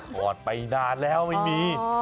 ถอดไปนานแล้วไม่มี